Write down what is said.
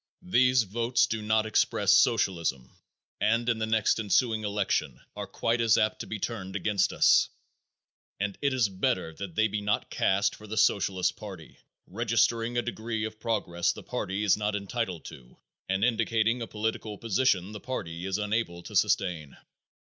These votes do not express socialism and in the next ensuing election are quite as apt to be turned against us, and it is better that they be not cast for the Socialist party, registering a degree of progress the party is not entitled to and indicating a political position the party is unable to sustain.